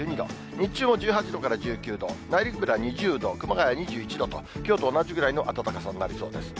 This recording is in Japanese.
日中も１８度から１９度、内陸部では２０度、熊谷２１度と、きょうと同じぐらいの暖かさになりそうです。